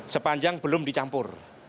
sepanjang belum dicampur